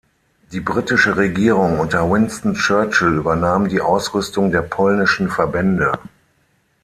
Die britische Regierung unter Winston Churchill übernahm die Ausrüstung der polnischen Verbände.